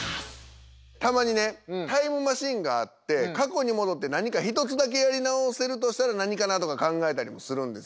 たまにねタイムマシーンがあって過去に戻って何か一つだけやり直せるとしたら何かなとか考えたりもするんですよ。